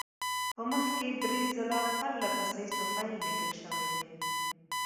په مخ کې درې ځله پرله پسې صفیل لیکل شوی دی.